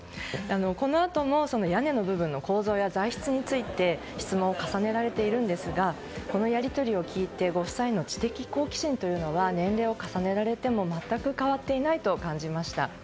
このあとも屋根の部分の構造や材質について質問を重ねられているんですがこのやり取りを聞いてご夫妻の知的好奇心というのは年齢を重ねられても全く変わっていないと感じました。